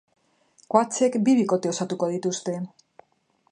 Coachek bi bikote osatuko dituzte.